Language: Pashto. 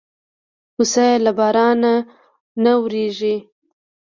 پسه له باران نه وېرېږي.